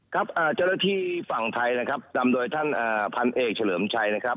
เจ้าหน้าที่ฝั่งไทยนำโดยท่านพันธุ์เอกเฉลิมชัย